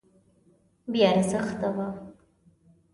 بې ارزښته وه.